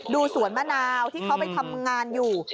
สวนมะนาวที่เขาไปทำงานอยู่